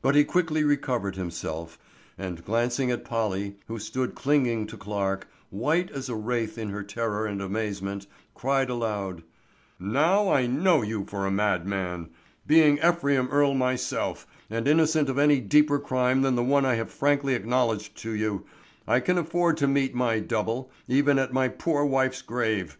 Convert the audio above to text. But he quickly recovered himself, and glancing at Polly, who stood clinging to Clarke, white as a wraith in her terror and amazement, cried aloud: "Now I know you for a madman. Being Ephraim Earle myself, and innocent of any deeper crime than the one I have frankly acknowledged to you, I can afford to meet my double, even at my poor wife's grave.